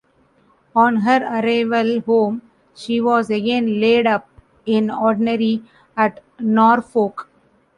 On her arrival home, she was again laid up, in ordinary, at Norfolk.